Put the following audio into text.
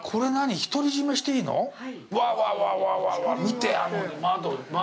見て、あの窓。